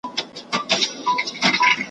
په ځالۍ کي یې ساتمه نازومه ,